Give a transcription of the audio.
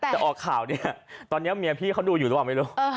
แต่ออกข่าวเนี่ยตอนนี้เมียพี่เขาดูอยู่หรือเปล่าไม่รู้